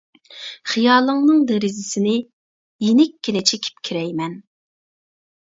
خىيالىڭنىڭ دېرىزىسىنى، يېنىككىنە چېكىپ كىرەي مەن.